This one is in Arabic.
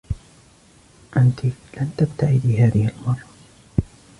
أنتِ لن تبتعدي هذة المرة.